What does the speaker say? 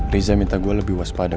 riza minta gue lebih waspada